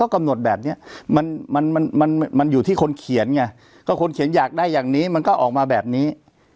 กำหนดแบบนี้มันมันอยู่ที่คนเขียนไงก็คนเขียนอยากได้อย่างนี้มันก็ออกมาแบบนี้